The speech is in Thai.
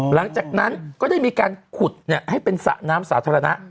หลังจากนั้นก็ได้มีการขุดให้เป็นสระน้ำสาธารณะ